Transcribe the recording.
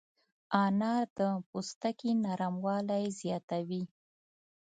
انار د پوستکي نرموالی زیاتوي.